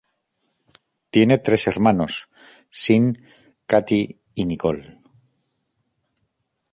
Tiene tres hermanos, Sean, Katie y Nicole.